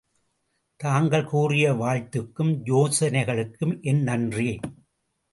தாங்கள் கூறிய வாழ்த்துக்கும் யோசனைகளுக்கும் என் நன்றி!